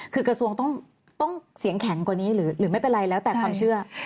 คือกระทรวงต้องเสียงแข็งกว่านี้หรือไม่เป็นไรแล้วแต่ความเชื่อ